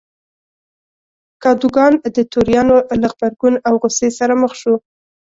کادوګان د توریانو له غبرګون او غوسې سره مخ شو.